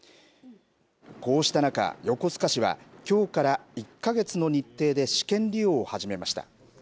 こうした中、横須賀市はきょうから１か月の日程で試験利用を始めました。